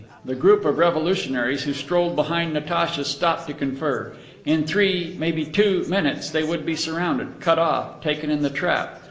The group of revolutionaries who strolled behind Natacha stopped to confer. In three maybe two minutes, they would be surrounded cut off, taken in the trap.